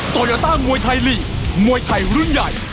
โตโยต้ามวยไทยลีกมวยไทยรุ่นใหญ่